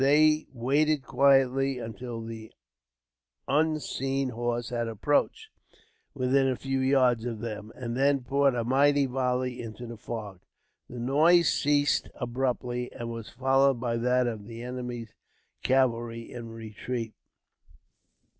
They waited quietly until the unseen horse had approached within a few yards of them, and then poured a mighty volley into the fog. The noise ceased abruptly, and was followed by that of the enemy's cavalry in retreat.